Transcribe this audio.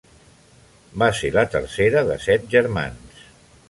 Va ser la tercera de set germans.